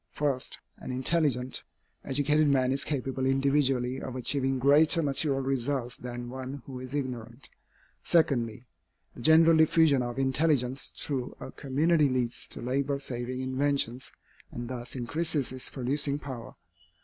First, an intelligent, educated man is capable individually of achieving greater material results than one who is ignorant. Secondly, the general diffusion of intelligence through a community leads to labor saving inventions, and thus increases its producing power.